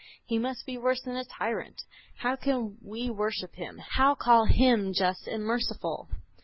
He must be worse than a tyrant. How can we worship Him, how call Him just and merciful?